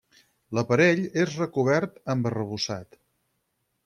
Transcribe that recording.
L'aparell és recobert amb arrebossat.